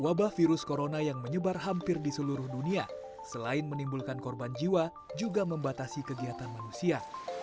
wabah virus corona yang menyebar hampir di seluruh dunia selain menimbulkan korban jiwa juga membatasi kegiatan manusia